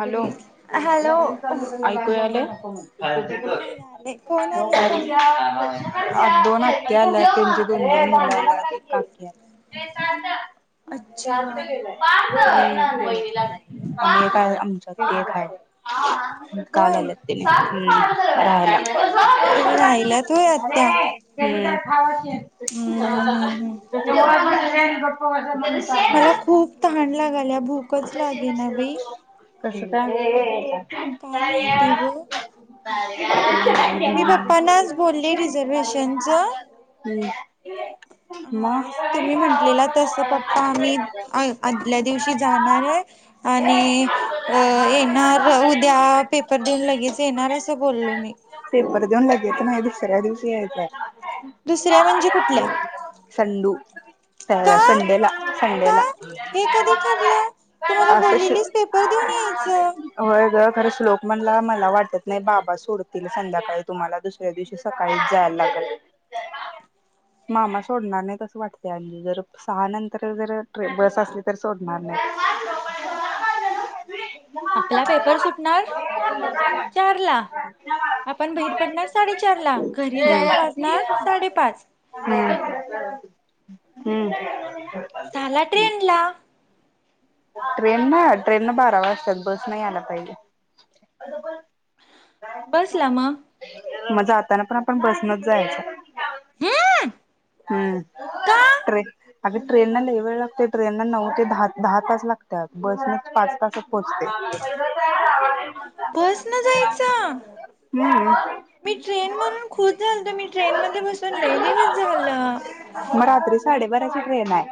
Hello hello ऐकू यायलंय हा आले कोण आले पाहुणे दोन अच्छा [unintelligible] वहिनीला. आणि एक आहे आमच एक आहे काल होय आलेत् ते राहायला राहिल्यात होय आत्या हम्. हम्म हम्म हम्म [inaudible] [unintelligible] [inaudible] मला खूप तहान लागाल्या भूकच लागेना. [inaudible] कस काय? [inaudible] काय माहिती ग. मी पप्पा नाच बोलली रिझर्वेशनच. मग हा तुम्ही म्हटलेला तस पप्पा, मी आ आदल्या दिवशी जाणारय. आण [inaudible] येणार [inaudible] त्या, पेपर देऊन लगेच येणार असं बोललो मी. [inaudible] ते नाय दुसऱ्या दिवशी यायचंय. दुसऱ्या म्हणजे कुठल्या [inaudible] संडू अ का संडेला- का संडेला हे कधी ठरलं तुम्हाला [inaudible] अस बोललेलीच पेपर देऊन यायचं. [inaudible] होय ग खर श्लोक म्हणला मला वाटत नाही बाबा सोडतील संध्याकाळी तुम्हाला दुसऱ्या दिवशी सकाळीच जायला लागल. मामा सोडणार नाही तसं वाटतय [inaudible] जर सहा नंतर जर ट्रे बस असली तर सोडणार नाही. [inaudible] आपला पेपर सुटणार, चारला. आपण बहीर पडणार साडेचारला, घरी जायला वाजणार साडेपाच. हम्म हम्म [inaudible] सहाला ट्रेनला. ट्रेन न, ट्रेन न बारा वाजत्यात, बसन यायला पाहिजे. बसला म [inaudible] म जाताना पण आपण बसनच जायाचं. [inaudible] हम्म, का ट्रे अगर ट्रेनन लय वेळ लागतय ट्रेनन नऊ ते दहा दहा तास लागतात बस न पाच तासात पोहोचते. [inaudible] बस न जायच, हम्म. मी ट्रेन म्हणून खुच झालते मी. ट्रेनमध्ये बसून लय दिवस झाला. बराची ट्रेन हाय.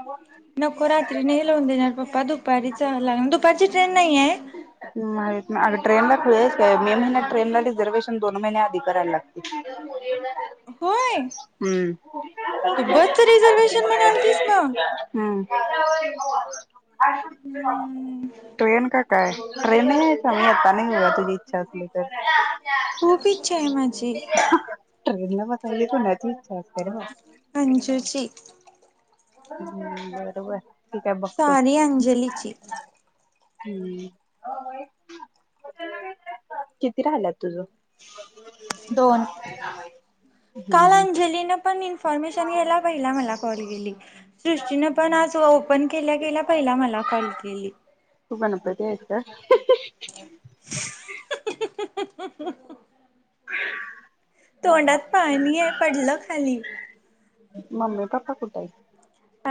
नको रात्री नाही लावून देणार पपा दु पारीचा [inaudible] दुपारची ट्रेन, नाही आहे [unintelligible] ट्रेन ला [inaudible] का मे महिन्यात ट्रेनला रिझर्वेशन दोन महिन्या आधी करायला होय लागतील. तू बसच [inaudible] रिझर्वेशन म्हणालतीस मग [inaudible] हम्म [inaudible] हम्म ट्रेन का काय खरे नाही आहेय का मी आता नाही तुझी इच्छा होती. [inaudible] खूप इच्छा आहे माझी ट्रेनला बसायची कोणाची इच्छाय. अंजुची. हम्म बरोबर. आहे सॉरी अंजलीची. हम्. किती राहिल्यात तुझं? दोन हम्म काल हम्म. अंजलीन- - पण इन्फॉर्मेशन घ्यायला पहिला मला कॉल केली. [inaudible] सृष्टीन पण आज ओपन केल्या केल्या पहिला मला कॉल केली. तू [unintelligible] [inaudible] तोंडात पाणी हाय पडलं खाली. मम्मी पप्पा कुठं हाईत?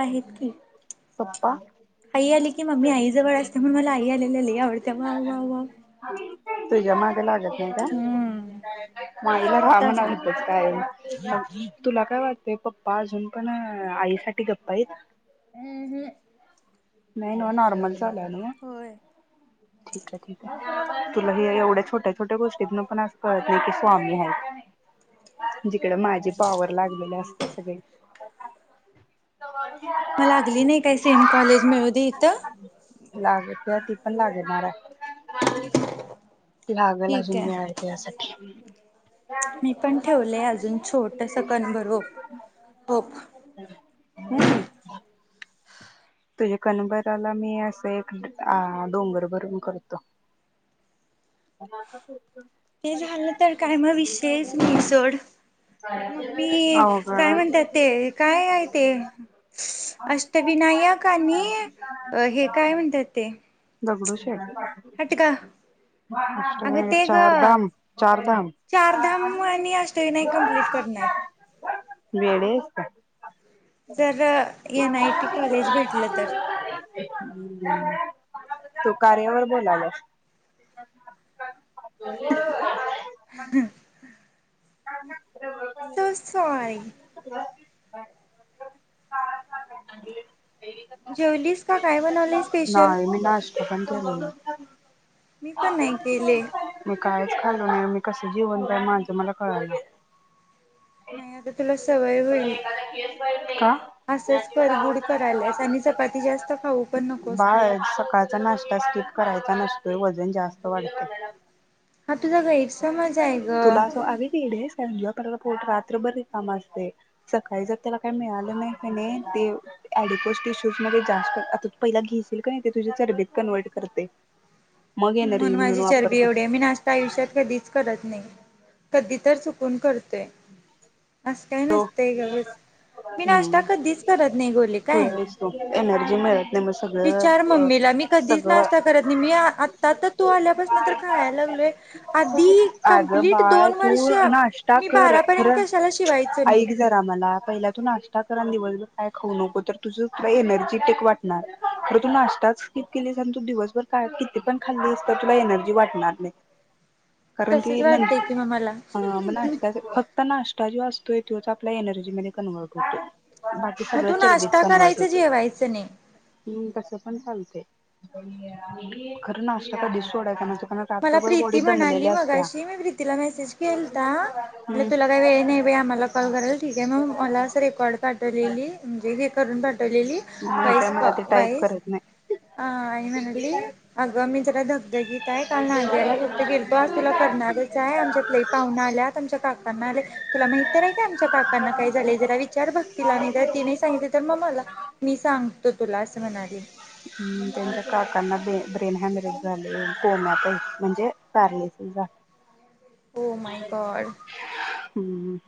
आहेत की ‌. पप्पा. की मम्मी आई जवळ असते म्हणून मला आई आलेली लय आवड - - [unintelligible] वाव वाव वाव तुज्या माग - - लागत नाही हम्म ता रहा शांत म्हणाव असते हितचं कायमची. तुला काय वाटतंय पप्पा अजून पण अ् आईसाठी गप्प हाईत? वु हुं. नाही नाॅ नॉर्मल - - चालू हाय नव्हं? ठीक हाय. ठीक हाय. तुला हे एवढ्या छोट्या छोट्या गोष्टीत पण असं कळतंय की स्वामी हाईत. जिकडं माझी पाॅवर लागलेले अस् - - उद्या सकाळी - - म लागली नाही काय सेम कॉलेज मिळ् ळूदे इथं - - लागत्यात ती पण लागणार हाय. ठीक काय. मी पण ठेवलय अजून छोटसं कन भर वोप होप हम्म. तुझ्या कणभराला मी असं एक आ् डोंगर भरून करतो. ते झालं तर काय मग विषयच नाही सोड मग मी अवघड काय आहे. म्हणतात ते? काय आहे ते? अष्टविनायक - - आणि अ् हे काय म्हणतात ते? दगडू शेट हट गं अगं ते अष्टविनायक ग, चारधाम चारधाम चारधाम आणि अष्टविनायक कम्प्लीट करणार. वेडी हाईस का? जर एन आय टी कॉलेज भेटलं तर तू कार्यावर बोलल्यास. [inaudible] [unintelligible] [inaudible] [unintelligible] [unintelligible] जेवलीस का काय बनवले स्पेशल. नाही [unintelligible] मी पण नाही केले. मी कायच खाल्लो नाही मी कसं जीवन काय माझं मला [unintelligible] नाही आता तुला स [unintelligible] का असंच करगुड करायलास आणि चपाती जास्त खाऊ पण नकोस बाळ प्लीज सकाळचा नाश्ता स्किप करायचा नसतो. वजन जास्त वाढतंय. हा तुझा गैरसमजा आहे ग. पर पोट रात्रभरी रिकामं असतय. सकाळी जर त्याला काही मिळालं नाही कनाय ते डिको टिश्यूज मध्ये जास्त आता तू पहिला घेशील का नाही ते तुझी चरबीत कन्वर्ट करतयं. म्हणून माझी चरबी एवढी आहे मी नाश्ता आयुष्यात कधीच करत कधी तर चुकून करतोय. असं काय नसतंय ग बस मी नाश्ता हम्म कधीच करत नाही गोले काय, खुळवेस तू एनर्जी मिळत नाही मग विचार सगळं अ मम्मीला मी कधीच सगळं नाश्ता करत नाही मी आता आ तो आल्यापासून तर खायला लागलोय, आधी अगं कंप्लीट बाळ दोन तू वर्ष नाश्ता मी कर बारापर्यत खरं ऐक जरा मला पहिल्या तू नाश्ता कर आणि दिवसभर काय खाऊ नको तर तुझ तुला एनर्जी टेक वाटणार, खर तू नाश्ता स्किप केलीस आणि तू दिवसभर काय किती पण खाल्लीस तर तुला एनर्जी वाटणार नाही. कारण कि तसच वाटतंय कि नंत मग मला मग नाष्टा फक्त नाष असतोय तोच आपल्या एनर्जीमध्ये कन्वर्ट होतो. बाकी मग सगळ तू चरबीत नाश्ता कन्वर्ट करायचं होतेय. जेवायचं नाही [unintelligible] खरं नाश्ता कधीच सोडायचा नसतो. कारण मला रात्रभर बॉडी प्रीती म्हणाली दमलेल्या असत्या मगाशी मी प्रीतीला मेसेज केलता हम्म तुला वेळ नाहीबे आम्हाला कॉल कराल. ठीक आहे मग मला अस रेकॉर्ड पाठवलेली म्हणजे हे करून पाठवलेली नाही काय व्हाइस कॉ मला ते टाईप व्हाइस करत नाही. आ आणि म्हणाली अग मी जरा धगधगीत आहे. काल नाझियाला फक्त केलतो. आज तुला करणारच हाय आमच्यात लई पावन आल्यात आमच्या काकांना लय तुला माहित तरय का आमच्या त्यांना काय झाले जरा विचार भक्तीला आणि जर तिने सांगितल तर मग मला मी सांगतो. तुला असं म्हणाली [inaudible] हम् त्यांच्या काकांना [inaudible] ब्रेन हॅमरेज झालय कोमातय म्हणजे पॅरलिसीस ओ माय गॉड. ह ह.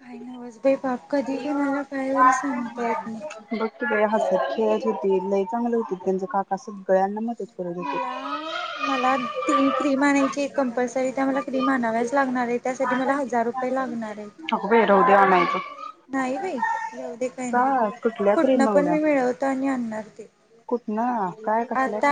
काय न [inaudible] [inaudible] बग येत नाही. की बाई हसत खेळत. होती लय चांगलं होती त्यांचे काका सगळ्यांना मदत हो मला मला तीन क्रीम आणायची एक कंपल्सरी त्या मला क्रीम आणाव्याच लागणार आहे त्यासाठी मला हजार रुपये लागणारयत. अगं बाई राहू दे आणायचं नाही बाई राहु दे काही नाही का कुठल्या कुठनं क्रीम पण मी मिळवतो आणि आणणार ते. ना आता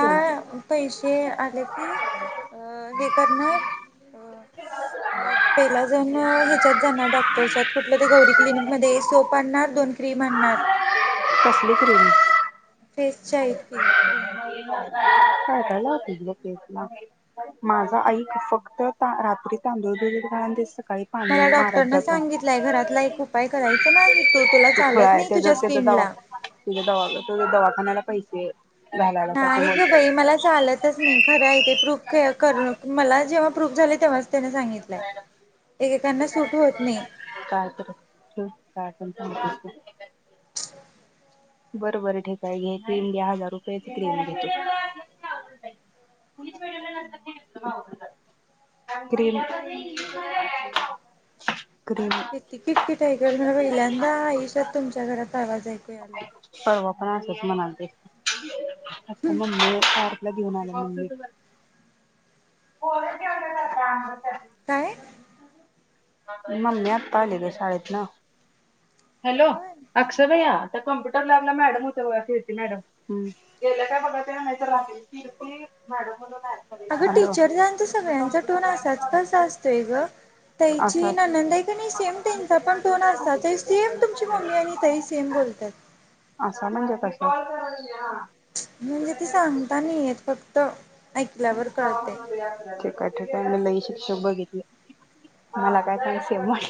पैसे आले की अ हे करणार. [inaudible] पहिला जाऊन ह्याच्यात जाणार डॉक्टरच्या कुठलं गौरी क्लिनिक मध्ये सोप आणणार दोन क्रीम आणणार [inaudible] कसली क्रीम? Face [inaudible] cream. ह [inaudible] माझं आईक फक्त. रात्री तांदूळ भिजत घाल न ते सक मला डॉक्टरन सांगितलंय घरातला एक उपाय करायचा नाही. तू तुला तो खुळा चालत आहे नाही त्याचा तुझ्या त्याचा दवा स्किनला तुझ्या दवा तुझ्या दवाखान्याला पैसे. घालायला साठी नाही ग बोलतात. बाई मला चालतच नाही. खरंय ते प्रूफ करु मला जेव्हा प्रूफ झाले तेव्हा त्यान सांगितलंय. [inaudible] एकेकांना सूट होत नाही काय तर काय पण सांगतेत. ह [inaudible] बर बर ठीक आहे घे क्रीम घ्या हजार रुपयाची क्रीम घे [inaudible] किट किट [inaudible] ऐकल पहिल्यांदा आयुष्यात तुमच्या घरात आवाज आला [inaudible] परवा पण असच. [unintelligible] अप म्हण [inaudible] घेऊन आलाय. हो [inaudible] काय? मम्मी आता आली ग शाळेत न. हॅलो होय. अक्षय भया. आता कॉम्प्युटर लॅबला मॅडम होत, कीर्ती मॅडम गेले काय बघा ते राहतील कीर्ती मॅडम., आहेत मध्ये अगं हॅलो टीचर तर सगळ्यांचा टोन कम्प्युटर लॅब ला असाच नव्हती कसा तर असतोय इकडचं गं. जी जायचं. ननंद नाही सेम आपण आम्ही त्यांचा सगळे पण अभ्यास टोन करायला होतो असचं सेम त्यांना तुमची सांगायला मम्मी आणि ताई सेम पाहिजे. बोलतात. [unintelligible] ठीक म्हणजे ते सांगता नाही येत फक्त ऐकल्यावर कळते. आहे, ठीक आहे, आम्ही लई शुभ बघीतलय. मला काय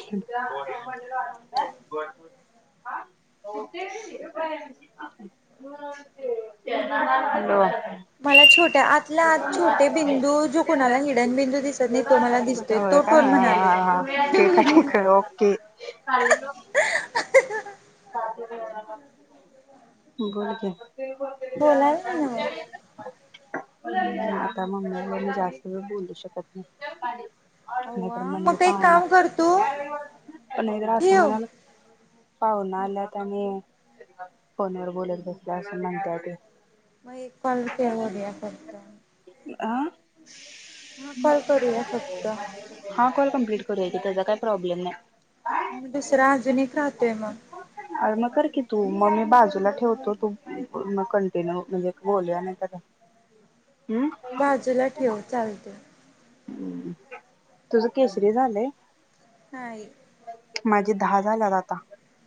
[unintelligible] मला छोट्या आतला आत छोटे बिंदू जो कोणाला हिडन बिंदू दिसत नाही तो मला दिसतोय होय तो का टोन हा म्हणालोय हा मी हा ठीक आहे ठीक आहे ओके. बोल की. बोलालोय नव्हं. आता मम्मी आलीय मी जास्त वेळ बोलू शकत नाही. अव्वा नाहीतर म्हणाल मग एक पावना काम कर तू नाही तर असं ठेव. म्हणाल. पावन आल्यात आणि फोन वर बोलत बसला असं म्हणतात त. मगं कॉल ठेवुदे असच [unintelligible] आ? हा करूया फक्त. [unintelligible] करूया की त्यांचा काही प्रॉब्लेम नाही. दुसरा अजून एक राहतोय. ते मगं. अरे मग कर की तू मग मी बाजूला ठेवतो तू पूर्ण कंटिन्यू म्हणजे बोलय नाही तर हम्म बाजूला ठेव चालतंय. तुझं केसरी झालंय. नाही [unintelligible] माझे दहा झाल्यात आता.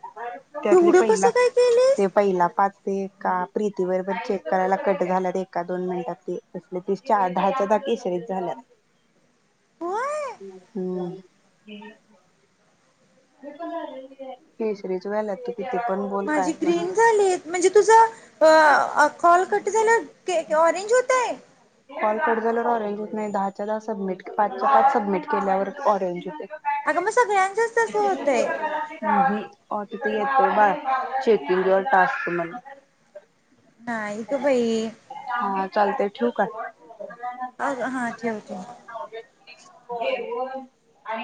त्यातलं एवढं पहिला कसं काय ते केलीस पहिला पाच. ते का प्रीतीबरोबर चेक करायला कट झाल्यात, एका दोन मिनिटात ते तस त दहाच्या दहा केशरीत झाल्यात. होय. हम्म. केसरीच व्हायल्यात. किती पण बोल काय माझी पण ग्रीन बोल झालेयत म्हणजे तुझ अ कॉल कट झाल्याव ऑरेंज होतय. कॉल कट झाल्यावर ऑरेंज होत नाही. दहाच्या दहा सबमिट पाचच्या पाच सबमिट केल्यावर ऑरेंज होतय. अगं मग सगळ्यांचच तस होतय. तीत येतय बार चेकिंग युवर टास्क म्हणून. हा नाही गबाई. हा चालतय ठेवू. काय. आग हा ठेव ठेव. [unintelligible]